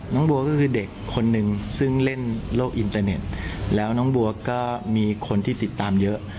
น้องบัวก็คือเด็กคนนึงซึ่งเล่นโลกอินเตอร์เน็ตแล้วน้องบัวก็มีคนที่ติดตามเยอะ